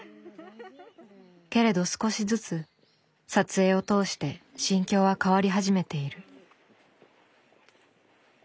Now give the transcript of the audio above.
けれど少しずつ撮影を通して心境は変わり始めている。